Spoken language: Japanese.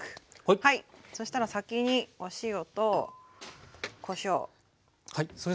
そしたら先にお塩とこしょう。